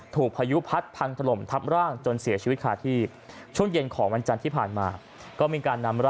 ถูกพยุพัดพังถล่มทับร่างจนเสียชีวิตค่าที่ชุดเย็นของวันจันทร์ที่ผ่านมา